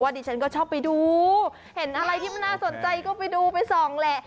ดิฉันก็ชอบไปดูเห็นอะไรที่มันน่าสนใจก็ไปดูไปส่องแหละ